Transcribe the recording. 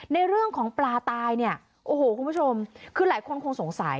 ในเรื่องของปลาตายเนี่ยโอ้โหคุณผู้ชมคือหลายคนคงสงสัย